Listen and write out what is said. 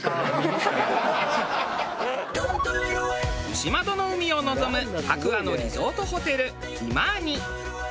牛窓の海を臨む白亜のリゾートホテルリマーニ。